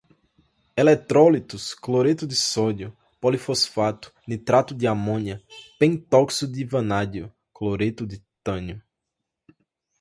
eletrólitos, cloreto de sódio, polifosfato, nitrato de armônia, pentóxido de vanádio, cloreto de titânio